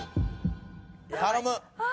「頼む！」